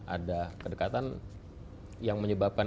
ada kedekatan yang menyebabkan itu kemudian